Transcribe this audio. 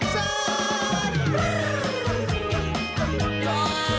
ฮะ